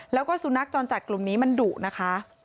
แล้วก็สุนัขจรจัดกลุ่มนี้มันดุนะคะ